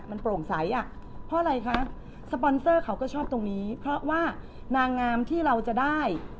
มันโปร่งใสอ่ะเพราะอะไรคะสปอนเซอร์เขาก็ชอบตรงนี้เพราะว่านางงามที่เราจะได้